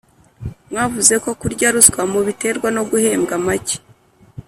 Mwavuze ko kurya ruswa mubiterwa no guhembwa make